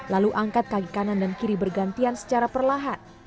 lalu angkat kaki kanan dan kiri bergantian secara perlahan